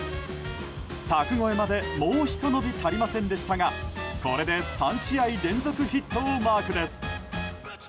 柵越えまで、もうひと伸び足りませんでしたがこれで３試合連続ヒットをマークです。